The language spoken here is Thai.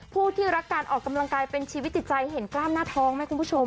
ผู้ที่รักการออกกำลังกายเป็นชีวิตจิตใจเห็นกล้ามหน้าท้องไหมคุณผู้ชม